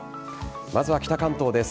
まずは北関東です。